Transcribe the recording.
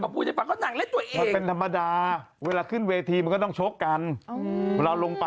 คุณไม่ให้หมดดำเลยเหรอคะเขาบอกอย่างนั้นค่ะ